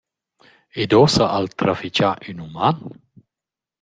Ed uossa, ha’l trafichà ün uman?